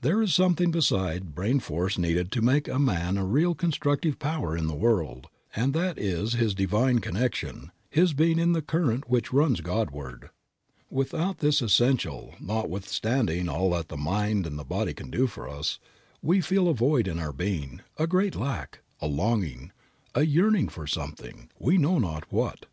There is something beside brain force needed to make a man a real constructive power in the world, and that is his divine connection, his being in the current which runs Godward. Without this essential, notwithstanding all that the mind and the body can do for us, we feel a void in our being, a great lack, a longing, a yearning for something, we know not what.